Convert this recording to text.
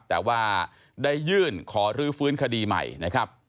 แต่ว่าได้ยื่นขอรื้อฟื้นคดีใหม่นะครับ